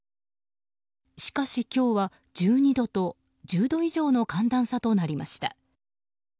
しかし、今日は１２度と１０度以上の寒暖差となりました。